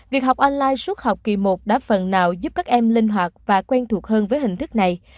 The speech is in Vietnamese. việc học online suốt học kỳ một đã phần nào giúp các em linh hoạt và quen thuộc hơn với hình thức này